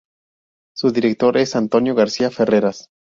Su director es Antonio García Ferreras.